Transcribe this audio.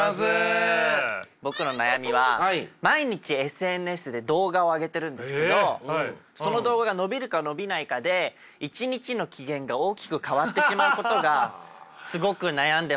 僕の悩みは毎日ＳＮＳで動画を上げてるんですけどその動画が伸びるか伸びないかで一日の機嫌が大きく変わってしまうことがすごく悩んでます。